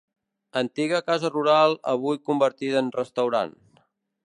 Antiga casa rural avui convertida en restaurant.